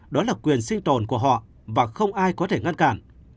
đó là quyền sinh tồn của họ và không ai có thể ngăn cản